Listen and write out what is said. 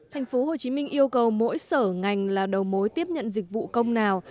tp hcm yêu cầu mỗi sở ngành là đầu mối tiếp nhận dịch vụ công nào